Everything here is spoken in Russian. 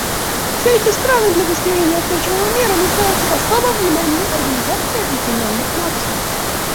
Все эти страны для достижения устойчивого мира нуждаются в особом внимании Организации Объединенных Наций.